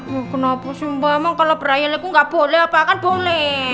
ya kenapa sih mbak emang kalau berani gue nggak boleh apa akan boleh